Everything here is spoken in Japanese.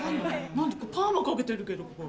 パーマかけてるけどここ。